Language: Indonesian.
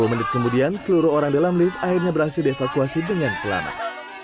sepuluh menit kemudian seluruh orang dalam lift akhirnya berhasil dievakuasi dengan selamat